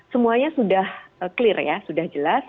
semuanya sudah clear ya sudah jelas